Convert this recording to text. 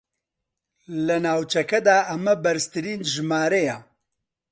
لە ناوچەکەدا ئەمە بەرزترین ژمارەیە